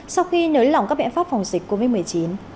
sau khi nới lỏng các biện pháp phòng dịch covid một mươi chín